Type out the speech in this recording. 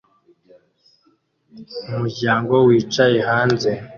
Umuryango wicaye hanze